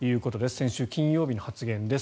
先週金曜日の発言です。